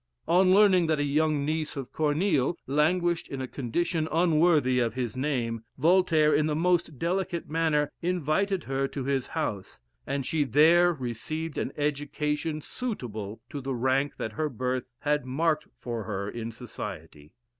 On learning that a young niece of Corneille languished in a condition unworthy of his name, Voltaire, in the most delicate manner, invited her to his house, and she there received an education suitable to the rank that her birth had marked lor her in society.